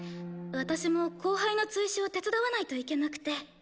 私も後輩の追試を手伝わないといけなくて。